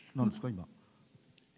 今。